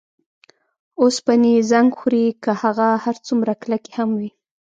اوسپنې یې زنګ خوري که هغه هر څومره کلکې هم وي.